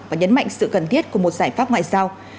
và nhấn mạnh sự cần thiết của một giải pháp ngoại giao